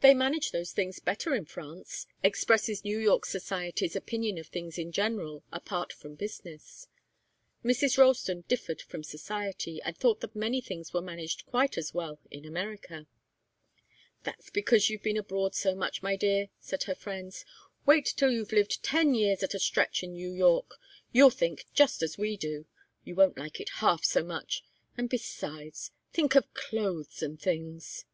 'They manage those things better in France,' expresses New York society's opinion of things in general apart from business. Mrs. Ralston differed from Society, and thought that many things were managed quite as well in America. "That's because you've been abroad so much, my dear," said her friends. "Wait till you've lived ten years at a stretch in New York. You'll think just as we do. You won't like it half so much. And besides think of clothes and things!"